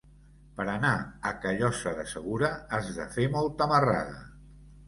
Per anar a Callosa de Segura has de fer molta marrada.